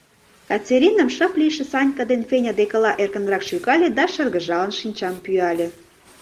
Катеринам шып лийше Санька ден Феня декыла эркынрак шӱкале да шыргыжалын шинчам пӱяле.